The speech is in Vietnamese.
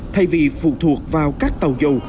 thay vì phụ thuộc vào các tàu dầu